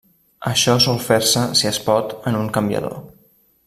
Això sol fer-se, si es pot, en un canviador.